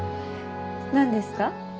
何ですか？